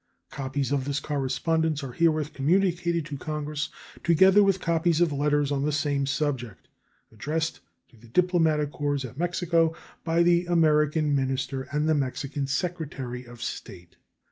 Copies of this correspondence are herewith communicated to Congress, together with copies of letters on the same subject addressed to the diplomatic corps at Mexico by the American minister and the Mexican secretary of state.